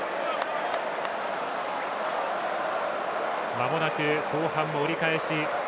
まもなく後半も折り返し。